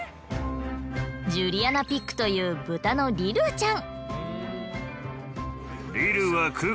ジュリアナピッグという豚のリルーちゃん。